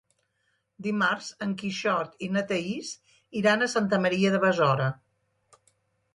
Dimarts en Quixot i na Thaís iran a Santa Maria de Besora.